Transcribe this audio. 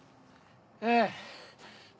ええ。